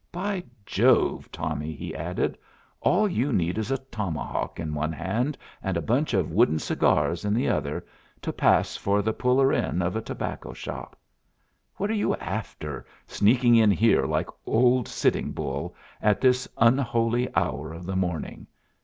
"By Jove, Tommy," he added, "all you need is a tomahawk in one hand, and a bunch of wooden cigars in the other, to pass for the puller in of a tobacco shop. What are you after, sneaking in here like old Sitting Bull, at this unholy hour of the morning?